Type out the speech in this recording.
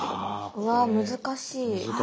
うわこれ難しい。